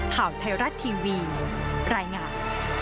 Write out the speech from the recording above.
ข่าวไทยรัฐทีวีรายงาน